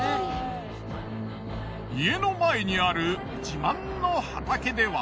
家の前にある自慢の畑では。